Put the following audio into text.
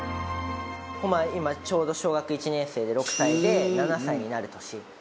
誉は今ちょうど小学１年生で６歳で７歳になる歳。